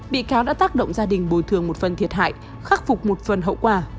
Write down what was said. bị cáo đã tác động gia đình bồi thường một phần thiệt hại khắc phục một phần hậu quả